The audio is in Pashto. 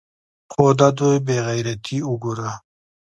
خو د دوى بې غيرتي اوګوره.